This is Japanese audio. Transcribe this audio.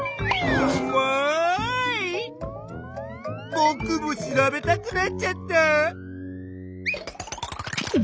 ぼくも調べたくなっちゃった！